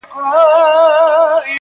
انسانيت له ازموينې تېريږي سخت,